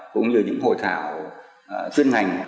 cũng như những hội thảo chuyên hành